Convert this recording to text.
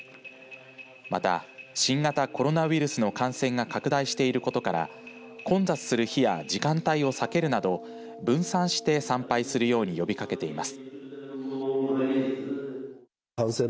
また、新型コロナウイルスの感染が拡大していることから混雑する日や時間帯を避けるなど分散して参拝するように呼びかけています。